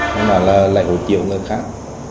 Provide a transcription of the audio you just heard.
nó nói là lại hộ chiếu người khác